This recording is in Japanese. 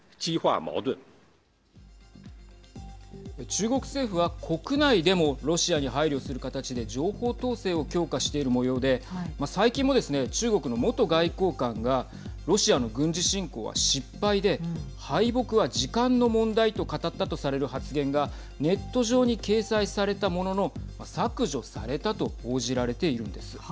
中国政府は国内でもロシアに配慮する形で情報統制を強化しているもようで最近もですね、中国の元外交官がロシアの軍事侵攻は失敗で敗北は時間の問題と語ったとされる発言がネット上に掲載されたものの削除されたと報じられているんです。